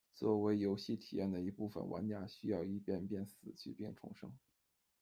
作为游戏体验的一部分，玩家需要一遍遍死去并重生。